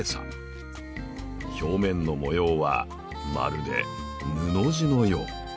表面の模様はまるで布地のよう。